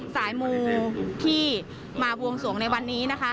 สายมูที่มาบวงสวงในวันนี้นะคะ